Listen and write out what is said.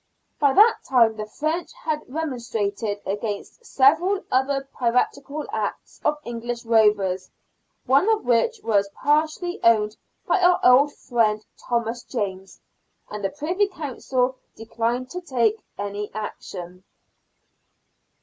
By that time the French had remonstrated against several other piratical acts of English rovers (one of which was partly owned by our old friend, Thomas James), and the Privy Council declined to take anv action.